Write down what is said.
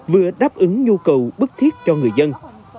vừa đáp ứng nhu cầu bức thiết cho người dân